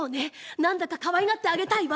なんだかかわいがってあげたいわ。